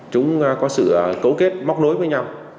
chúng có sự cấu kết móc nối với nhau